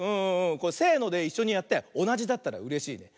これせのでいっしょにやっておなじだったらうれしいね。